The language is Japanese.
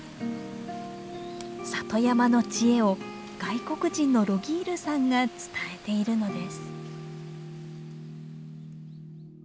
里山の知恵を外国人のロギールさんが伝えているのです。